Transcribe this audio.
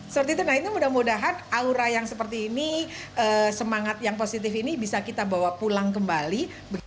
seperti itu nah itu mudah mudahan aura yang seperti ini semangat yang positif ini bisa kita bawa pulang kembali